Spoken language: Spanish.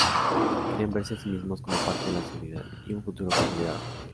Querían verse a sí mismos como parte de la seguridad y un futuro consolidado.